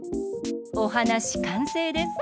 おはなしかんせいです。